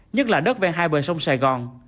nhất là đất ven hai bờ sông sài gòn